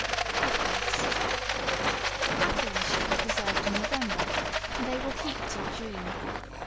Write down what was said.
Apples. Apples should be preserved in November, and they will keep till June.